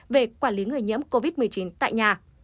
về quản lý người nhiễm covid một mươi chín tại nhà